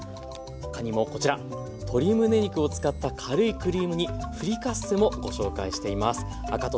他にもこちら鶏むね肉を使った軽いクリーム煮フリカッセもご紹介しています。